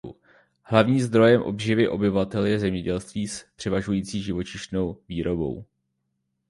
Hlavním zdrojem obživy obyvatel je zemědělství s převažující živočišnou výrobou.